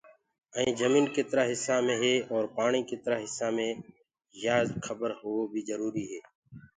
ائينٚ جمينٚ ڪِترآ هسآ مي هي اورَ پآڻيٚ ڪِترآ هِسآ مي يآ کبر هووو بيٚ جروريٚ